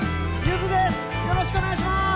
よろしくお願いします。